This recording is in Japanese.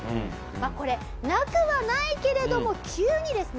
これなくはないけれども急にですね